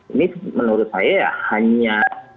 ini menurut saya ya hanya